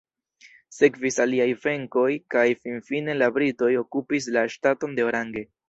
Sekvis aliaj venkoj kaj finfine la britoj okupis la ŝtaton de Orange.